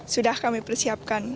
sudah kami persiapkan